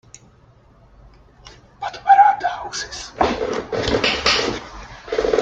But where are the houses?